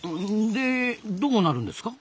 でどうなるんですか？